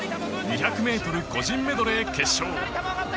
２００ｍ個人メドレー決勝。